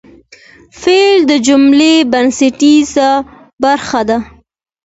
فعل د جملې بنسټیزه برخه ده.